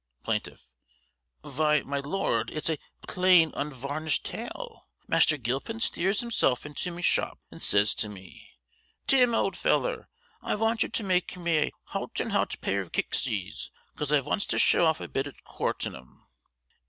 Plaintiff: Vy, my lord, it's "a plain unwarnished tale." Master Gilpin steers himself into my shop, and ses to me, "Tim, old feller, I vant you to make me a hout and hout pair of kicksies, 'cause I vonts to show off a bit at Court in 'em."